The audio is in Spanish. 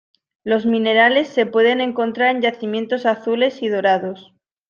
Los minerales se pueden encontrar en yacimientos azules y dorados.